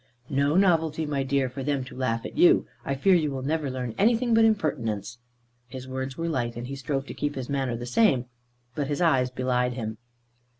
"No novelty, my dear, for them to laugh at you. I fear you never will learn anything but impertinence." His words were light, and he strove to keep his manner the same; but his eyes belied him.